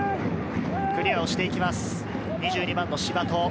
クリアをしていきます。